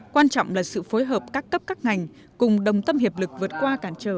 quan trọng là sự phối hợp các cấp các ngành cùng đồng tâm hiệp lực vượt qua cản trở